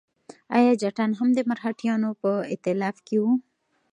ایا جټان هم د مرهټیانو په ائتلاف کې وو؟